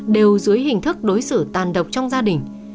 đều dưới hình thức đối xử tàn độc trong gia đình